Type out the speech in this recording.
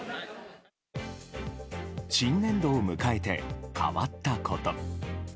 新年度を迎えて、変わったこと。